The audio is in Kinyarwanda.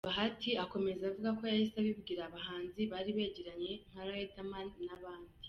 Bahati akomeza avuga ko yahise abibwira abahanzi bari begeranye nka Riderman n’abandi.